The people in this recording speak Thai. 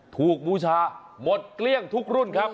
บูชาหมดเกลี้ยงทุกรุ่นครับ